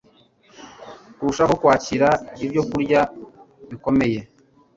kurushaho kwakira ibyokurya bikomeye